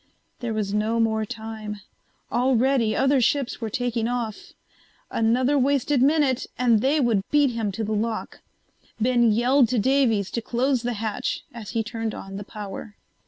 There was no more time. Already other ships were taking off. Another wasted minute and they would beat him to the lock. Ben yelled to Davies to close the hatch as he turned on the power.